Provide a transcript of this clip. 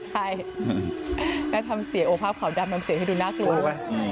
ใช่แล้วทำเสียโอภาพขาวดำทำเสียงให้ดูน่ากลัวด้วย